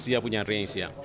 dia punya ring siap